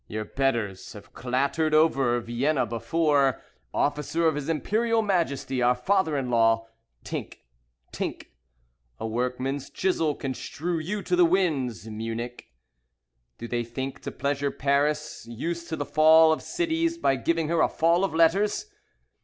Your betters have clattered over Vienna before, Officer of his Imperial Majesty our Father in Law! Tink! Tink! A workman's chisel can strew you to the winds, Munich. Do they think To pleasure Paris, used to the fall of cities, By giving her a fall of letters!